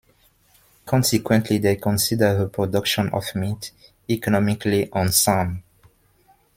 Consequently, they consider the production of meat economically unsound.